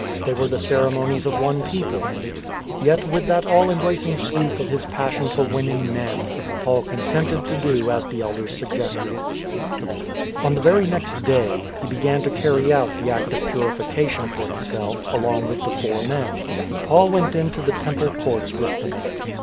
They were the ceremonies of one people. Yet, with that all embracing sweep of his passion for winning men, Paul consented to do as the Elders suggested. On the very next day he began to carry out the act of. purification for himself along with the four men. Paul went into the Temple courts with the men.